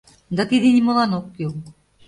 Да тиде нимолан ок кӱл.